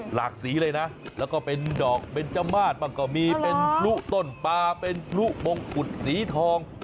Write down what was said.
หลากสีเลยนะแล้วก็เป็นดอกเบนจมาสบ้างก็มีเป็นพลุต้นปลาเป็นพลุมงกุฎสีทอง